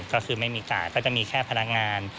ก็คือไม่มีกาดก็จะมีแค่พนักงาน